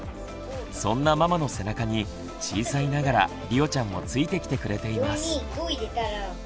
そんなママの背中に小さいながらりおちゃんもついてきてくれています。